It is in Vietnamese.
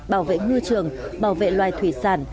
bảo vệ ngư trường bảo vệ loài thủy sản